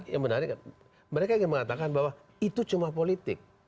yang menarik mereka ingin mengatakan bahwa itu cuma politik